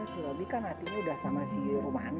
si robi kan hatinya udah sama si rumana